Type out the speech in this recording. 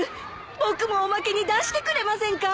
僕もおまけに出してくれませんか？